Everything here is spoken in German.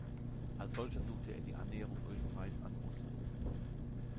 Als solcher suchte er die Annäherung Österreichs an Russland.